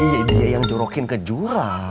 iya dia yang jorokin ke jurang